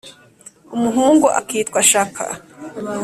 umuhungu akitwa shaka